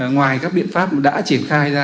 ngoài các biện pháp đã triển khai ra